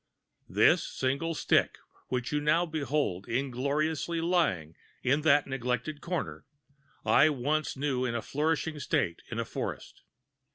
This single stick, which you now behold ingloriously lying in that neglected corner, I once knew in a flourishing state in a forest.